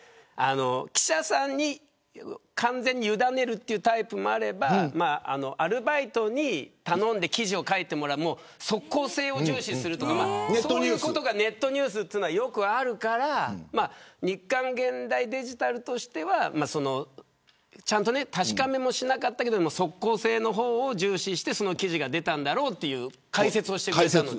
記者さんに完全に委ねるタイプもあればアルバイトに頼んで記事を書いてもらう即効性を重視するとかそういうことがネットニュースではよくあるから日刊ゲンダイＤＥＧＩＴＡＬとしてはちゃんと確かめもしなかったけど即効性の方を重視して記事が出たんだろうという解説をしてくれました。